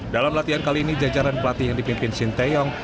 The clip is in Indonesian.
dalam latihan kali ini jajaran pelatih yang dipimpin sinteyong